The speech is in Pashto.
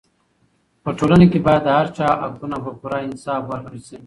په ټولنه کې باید د هر چا حقونه په پوره انصاف ورکړل سي.